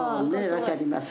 分かります。